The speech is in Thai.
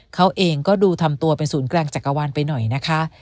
เขาเองก็ดูทำตัวเป็นศูนย์กลางจักรวาลไปหน่อยนะคะ